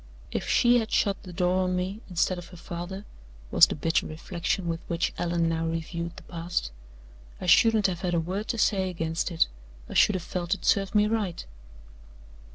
"If she had shut the door on me, instead of her father," was the bitter reflection with which Allan now reviewed the past, "I shouldn't have had a word to say against it; I should have felt it served me right."